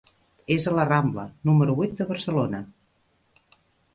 És a la Rambla, número vuit, de Barcelona.